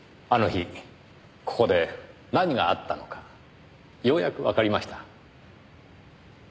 あの日ここで何があったのかようやくわかりました。